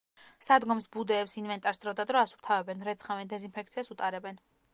სადგომს, ბუდეებს, ინვენტარს დროდადრო ასუფთავებენ, რეცხავენ, დეზინფექციას უტარებენ.